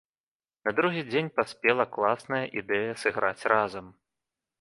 На другі дзень саспела класная, ідэя сыграць разам.